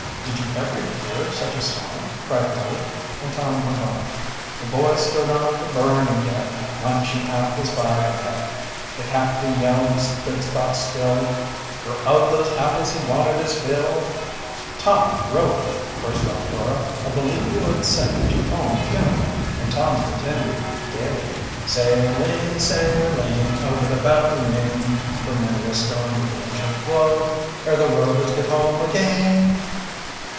"Did you ever hear such a song?" cried Nellie, and Tom went on: "The boy stood on the burning deck, Munching apples by the peck; The captain yelled, he stood stock still, For of those apples he wanted his fill!" "Tom Rover!" burst out Dora. "I believe you would sing at your own funeral!" And Tom continued gayly: "Sailing, sailing, over the bounding main, For many a stormy wind shall blow, Ere the Rovers get home again!"